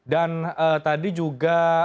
dan tadi juga